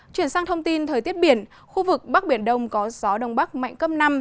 chuyển sang thông tin thời tiết biển khu vực bắc biển đông có gió đông bắc mạnh cấp năm